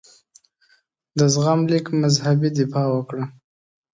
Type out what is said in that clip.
د زغم لیک مذهبي دفاع وکړه.